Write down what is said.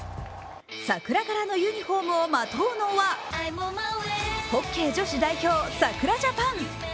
桜柄のユニフォームをまとうのはホッケー女子代表さくらジャパン。